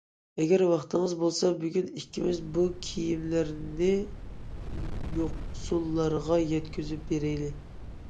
ئەگەر ۋاقتىڭىز بولسا بۈگۈن ئىككىمىز بۇ كىيىملەرنى يوقسۇللارغا يەتكۈزۈپ بېرەيلى.